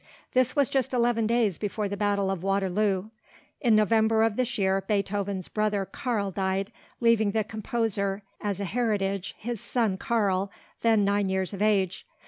This was just eleven days before the battle of Waterloo. In November of this year Beethoven's brother Karl died, leaving the composer as an heritage his son Karl, then nine years of age.